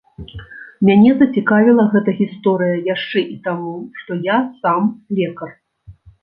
Мяне зацікавіла гэта гісторыя яшчэ і таму, што я сам лекар.